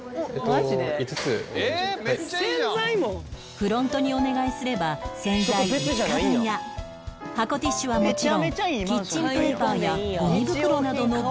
フロントにお願いすれば洗剤５日分や箱ティッシュはもちろんキッチンペーパーやゴミ袋などの備品も